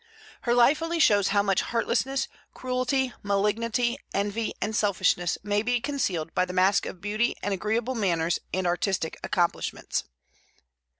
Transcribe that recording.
Her life only shows how much heartlessness, cruelty, malignity, envy, and selfishness may be concealed by the mask of beauty and agreeable manners and artistic accomplishments.